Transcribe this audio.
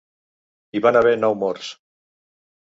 Hi van haver nou morts.